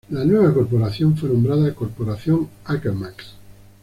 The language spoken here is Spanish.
La nueva corporación fue nombrada Corporación Alchemax.